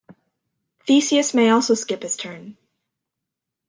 Theseus may also skip his turn.